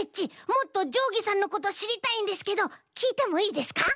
もっとじょうぎさんのことしりたいんですけどきいてもいいですか？